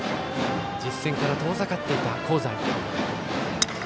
実戦から遠ざかっていた香西。